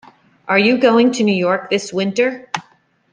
Are you going to New York this winter?